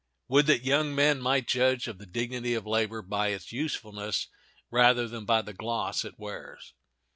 Would that young men might judge of the dignity of labor by its usefulness rather than by the gloss it wears!